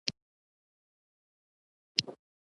تاسو د هېواد له نومیالیو لیکوالو او شاعرانو نومونه اورېدلي.